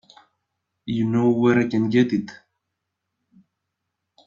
You know where I can get it?